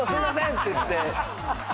って言って。